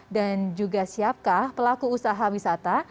dan juga siapkah pelaku usaha wisata